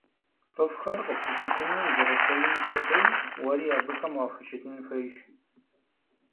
Цӏыхухэр къыпхущытыну узэрыхуейм хуэдэу, уэри абыхэм уахущытын хуейщ.